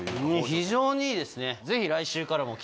非常にいいですね。